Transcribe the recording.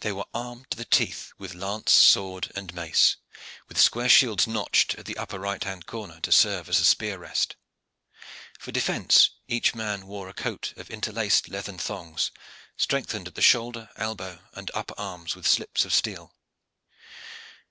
They were armed to the teeth with lance, sword, and mace, with square shields notched at the upper right hand corner to serve as a spear rest. For defence each man wore a coat of interlaced leathern thongs, strengthened at the shoulder, elbow, and upper arm with slips of steel.